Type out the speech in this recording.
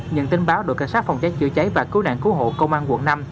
nhận tin báo đội cảnh sát phòng cháy chữa cháy và cứu nạn cứu hộ công an quận năm